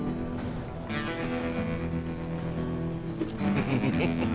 フフフフッ。